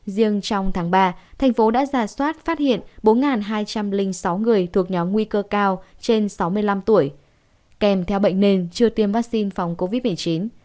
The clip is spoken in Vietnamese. riêng trong tháng ba thành phố đã giả soát phát hiện bốn hai trăm linh sáu người thuộc nhóm nguy cơ cao trên sáu mươi năm tuổi kèm theo bệnh nền chưa tiêm vaccine phòng covid một mươi chín